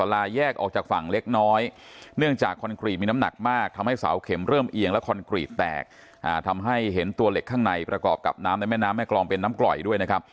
เราไปเห็นตัวเหล็กข้างในประกอบกับน้ำแม่น้ำแม่กลองเป็นน้ำกล่อยด้วยนะครับ